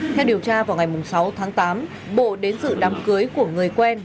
theo điều tra vào ngày sáu tháng tám bộ đến dự đám cưới của người quen